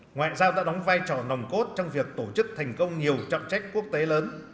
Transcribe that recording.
ngoại giao đã đóng vai trò nồng cốt trong việc tổ chức thành công nhiều trọng trách quốc tế lớn